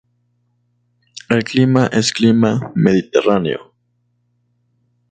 El clima es clima mediterráneo.